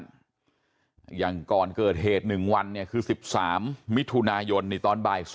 บ้านยังก่อนเกิดเหตุหนึ่งวันเนี่ยคือ๑๓มิถุนายนในตอนบ่าย